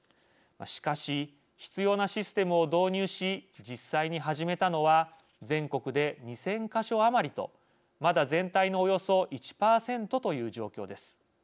しかし必要なシステムを導入し実際に始めたのは全国で２，０００か所余りとまだ全体のおよそ１％という状況です。